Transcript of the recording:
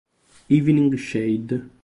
Evening Shade